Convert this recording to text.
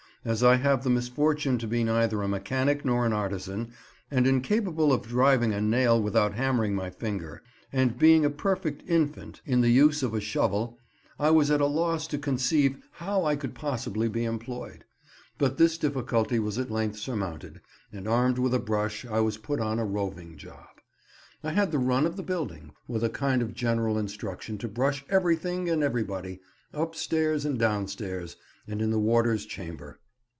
As I have the misfortune to be neither a mechanic nor an artisan, and incapable of driving in a nail without hammering my finger, and being a perfect infant in the use of a shovel, I was at a loss to conceive how I could possibly be employed; but this difficulty was at length surmounted, and armed with a brush I was put on a roving job. I had the run of the building, with a kind of general instruction to brush everything and everybody, up stairs and down stairs, and in the warder's chamber.